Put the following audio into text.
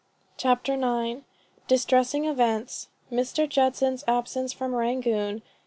CHAPTER IX. DISTRESSING EVENTS. MR. JUDSON'S ABSENCE FROM RANGOON.